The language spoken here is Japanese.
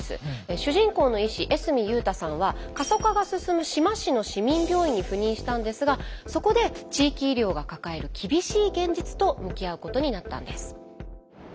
主人公の医師江角悠太さんは過疎化が進む志摩市の市民病院に赴任したんですがそこで地域医療が抱える厳しい現実と向き合うことになったんです。